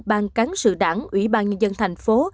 ban cán sự đảng ủy ban nhân dân thành phố